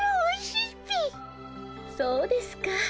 そうですか。